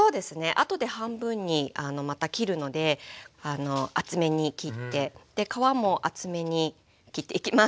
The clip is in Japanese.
あとで半分にまた切るので厚めに切って皮も厚めに切っていきます。